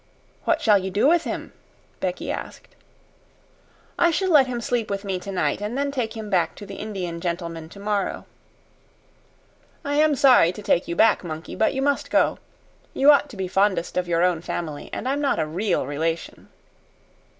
"What shall you do with him?" Becky asked. "I shall let him sleep with me tonight, and then take him back to the Indian gentleman tomorrow. I am sorry to take you back, monkey; but you must go. You ought to be fondest of your own family; and I'm not a REAL relation."